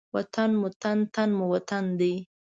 وطن مو تن، تن مو وطن دی.